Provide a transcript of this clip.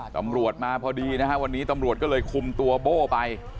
ตำรวจมาพอดีนะฮะวันนี้ตำรวจก็เลยคุมตัวโบ้ไป